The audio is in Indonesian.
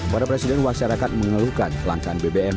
para presiden wasyarakat mengeluhkan langkah bbm